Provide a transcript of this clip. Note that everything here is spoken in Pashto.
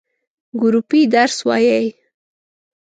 ګروپی درس وایی؟